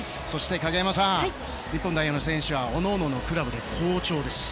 影山さん、日本代表の選手は各々のクラブで好調です。